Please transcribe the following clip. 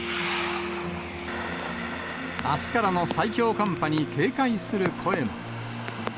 あすからの最強寒波に警戒する声も。